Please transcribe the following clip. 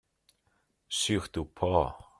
Surtout pas !